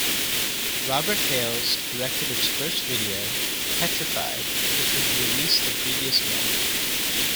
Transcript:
Robert Hales directed its first video "Petrified", which was released the previous month.